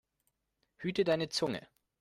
Hüte deine Zunge!